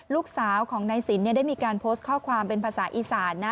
ลูกสาวของนายสินได้มีการโพสต์ข้อความเป็นภาษาอีสานนะ